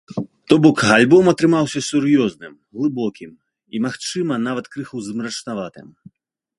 То бок, альбом атрымаўся сур'ёзным, глыбокім і, магчыма, нават крыху змрачнаватым.